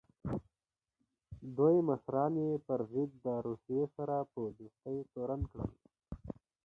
دوی مشران یې پر ضد د روسیې سره په دوستۍ تورن کړل.